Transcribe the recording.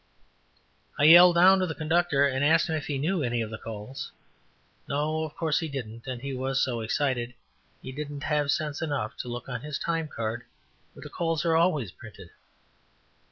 I yelled down to the conductor and asked him if he knew any of the calls. No; of course he didn't; and he was so excited he didn't have sense enough to look on his time card, where the calls are always printed.